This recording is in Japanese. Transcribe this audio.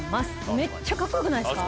めっちゃカッコよくないですか？